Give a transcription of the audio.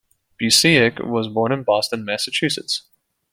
Busiek was born in Boston, Massachusetts.